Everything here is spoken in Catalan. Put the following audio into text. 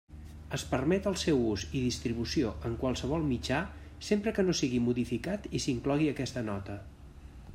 Es permet el seu ús i distribució en qualsevol mitjà sempre que no sigui modificat i s'inclogui aquesta nota.